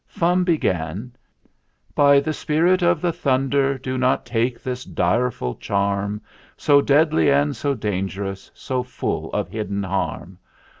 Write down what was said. Fum began :" By the Spirit of the Thunder, do not take this direful charm, So deadly and so dangerous, so full of hidden harm.